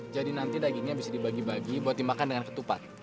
jadi nanti dagingnya bisa dibagi bagi buat dimakan dengan ketupat